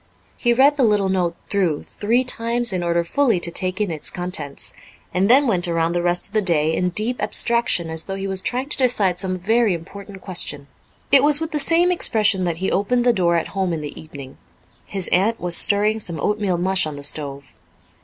He read the little note through three times in order fully to take in its contents, and then went around the rest of the day in deep abstraction as though he was trying to decide some very important question. It was with the same expression that he opened the door at home in the evening. His aunt was stirring some oatmeal mush on the stove.